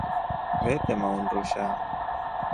Vetema undusha.